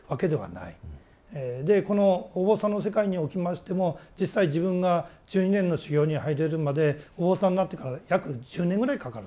でこのお坊さんの世界におきましても実際自分が１２年の修行に入れるまでお坊さんになってから約１０年ぐらいかかるんですね。